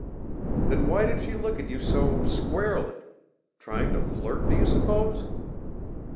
"Then why did she look at you so 'squarely?' Trying to flirt, do you suppose?"